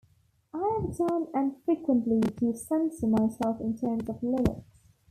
I have done and frequently do censor myself in terms of lyrics.